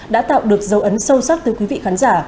đã tạo được dấu ấn sâu sắc từ quý vị khán giả